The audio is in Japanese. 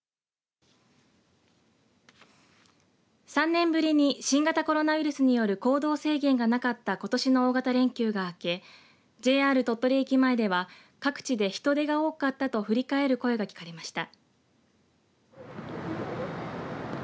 ３年ぶりに新型コロナウイルスによる行動制限がなかったことしの大型連休が明け、ＪＲ鳥取駅前では、各地で人出が多かったと振り返る声が聞かれました。